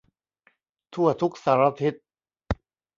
ทั่วทุกสารทิศ